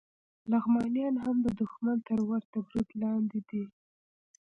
لغمانیان هم د دښمن تر ورته برید لاندې دي